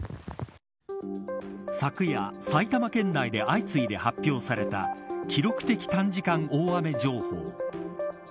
昨夜、埼玉県内で相次いで発表された記録的短時間大雨情報。